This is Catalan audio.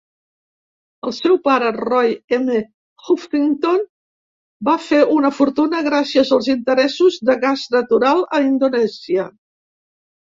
El seu pare, Roy M. Huffington, va fer una fortuna gràcies als interessos de gas natural a Indonèsia.